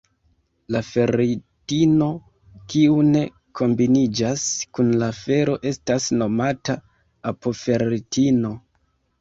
La ferritino kiu ne kombiniĝas kun la fero estas nomata apoferritino.